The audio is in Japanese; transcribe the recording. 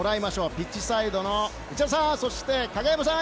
ピッチサイドの内田さんそして影山さん